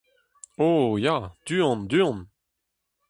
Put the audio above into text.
O ! ya, du-hont, du-hont !…